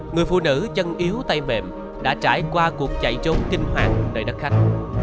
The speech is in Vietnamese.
người phụ nữ chân yếu tay bệm đã trải qua cuộc chạy trốn kinh hoàng nơi đất khách